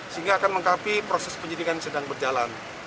sehingga akan mengengkapi proses penyitikan yang sedang berjalan